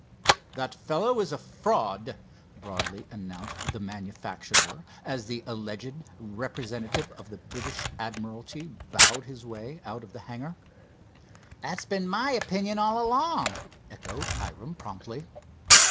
"That fellow is a fraud," broadly announced the manufacturer, as the alleged representative of the British admiralty bowed his way out of the hangar. "That's been my opinion all along," echoed Hiram promptly.